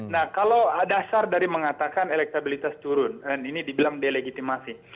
nah kalau dasar dari mengatakan elektabilitas turun ini dibilang delegitimasi